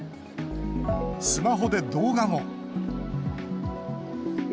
スマホで動画も。